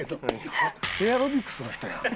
エアロビクスの人やん。